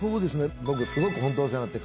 僕すごくお世話になって。